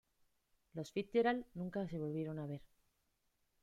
Los Fitzgerald nunca se volvieron a ver.